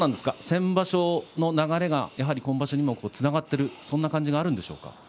先場所の流れがやはり今場所にもつながっているそんな感じがあるんでしょうか？